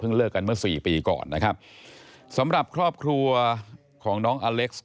เลิกกันเมื่อสี่ปีก่อนนะครับสำหรับครอบครัวของน้องอเล็กซ์